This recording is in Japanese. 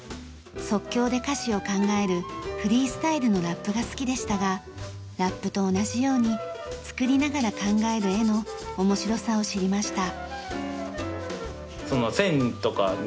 即興で歌詞を考えるフリースタイルのラップが好きでしたがラップと同じように作りながら考える絵の面白さを知りました。